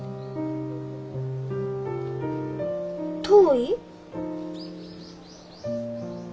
遠い？